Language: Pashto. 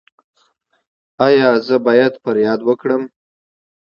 ایا زه باید فریاد وکړم؟